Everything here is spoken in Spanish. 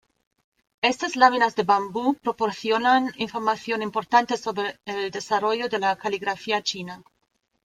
Estas láminas de bambú proporcionan información importante sobre el desarrollo de la caligrafía china.